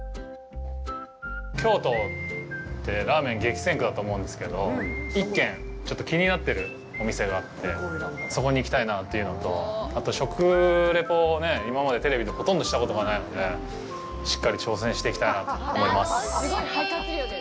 京都ってラーメン激戦区だと思うんですけど、１軒、ちょっと気になってるお店があって、そこに行きたいなというのと、あと、食レポをね、今までテレビでほとんどしたことがないのでここですね。